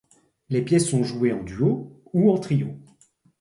Les pièces sont jouées en duo ou en trio.